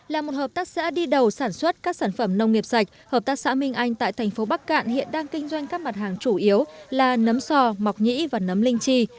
là một hợp tác xã đi đầu sản xuất các sản phẩm nông nghiệp sạch hợp tác xã minh anh tại thành phố bắc cạn hiện đang kinh doanh các mặt hàng chủ yếu là nấm sò mọc nhĩ và nấm linh chi